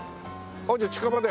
あっじゃあ近場で。